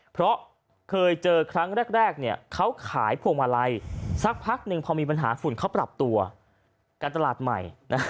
เพราะเคยเจอครั้งแรกเขาขายพวงมาลัยสักพักหนึ่งพอมีปัญหาฝุ่นเขาปรับตัวการตลาดใหม่